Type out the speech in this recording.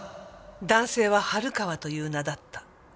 男性は春川という名だった。